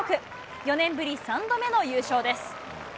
４年ぶり３度目の優勝です。